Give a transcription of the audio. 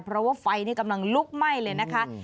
เพราะว่าไฟนี่กำลังลุกไหม้เลยนะคะ